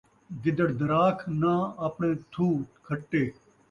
گدڑ دراکھ ناں اپݨے تھو ، کھٹے